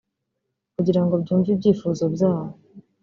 kugirango byumve ibyifuzo byabo